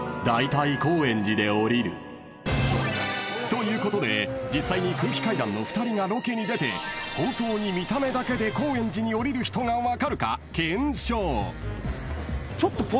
［ということで実際に空気階段の２人がロケに出て本当に見た目だけで高円寺に降りる人が分かるか検証］